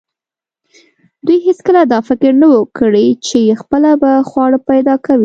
دوی هیڅکله دا فکر نه و کړی چې خپله به خواړه پیدا کوي.